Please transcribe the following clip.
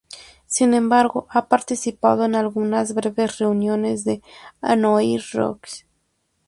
Sin embargo, ha participado en algunas breves reuniones de Hanoi Rocks.